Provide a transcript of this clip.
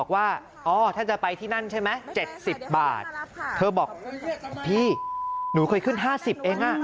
ขอบคุณครับ